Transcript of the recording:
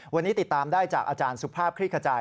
วันนี้ติดตามได้จากอาจารย์สุภาพคลิกขจาย